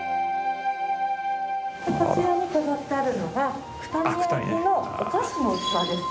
こちらに飾ってあるのが九谷焼のお菓子の器です。